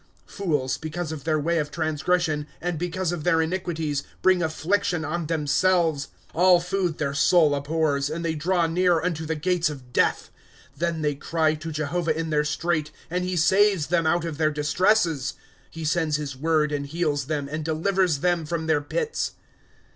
" Fools, because of their way of transgression. And because of their iniquities, bring affliction on them selves. "^ All food their soul abhors. And they draw near unto the gates of death. '" Then they cry to Jehovah in tiieir strait. And he saves them out of their distresses. ^ He sends liis word, and heals them, And delivers them from their pits.